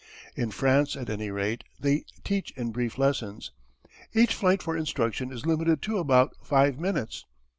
In France, at any rate, they teach in brief lessons. Each flight for instruction is limited to about five minutes.